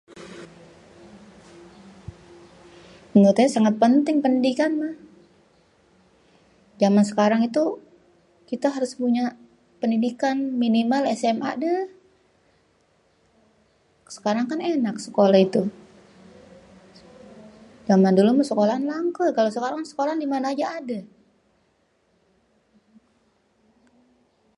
Menurut ayé sangat penting pendidikan mah, zaman sekarang itu kita harus punya pendidikan minimal SMA déh, sekarang kan enak sekolé itu zaman dulu méh sekolaan langké kalo sekarang sekolaan dimana ajé adé.